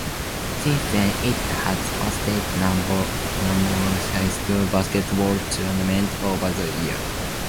Since then, it has hosted numerous high school basketball tournaments over the years.